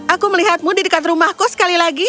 aku melihatmu di dekat rumahku sekali lagi